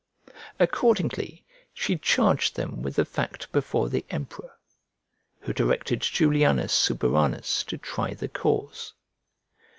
Accordingly she charged them with the fact before the emperor, who directed Julianus Suburanus to try the cause.